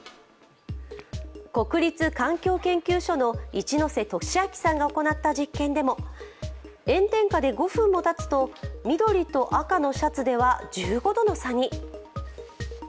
国立環境研究所の一ノ瀬俊明さんが行った実験でも炎天下で５分もたつと緑と赤のシャツでは１５度の差に。